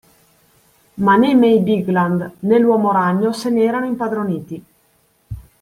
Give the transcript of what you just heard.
Ma né May Bigland, né l’uomo ragno se ne erano impadroniti.